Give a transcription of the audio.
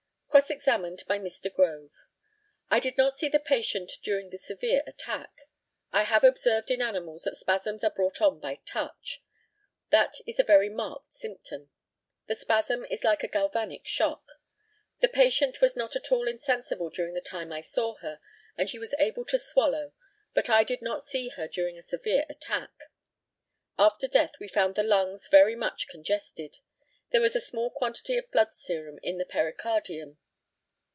Cross examined by Mr. GROVE: I did not see the patient during a severe attack. I have observed in animals that spasms are brought on by touch. That is a very marked symptom. The spasm is like a galvanic shock. The patient was not at all insensible during the time I saw her, and she was able to swallow, but I did not see her during a severe attack. After death we found the lungs very much congested. There was a small quantity of bloody serum in the pericardium.